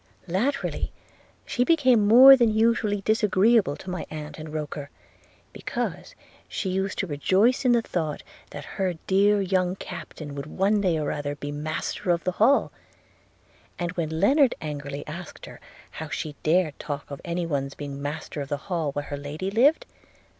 Latterly she became more than usually disagreeable to my aunt and Roker, because she used to rejoice in the thought that her dear young captain would one day or other be master of the Hall, and when Lennard angrily asked her, how she dared talk of any one's being master of the Hall while her lady lived?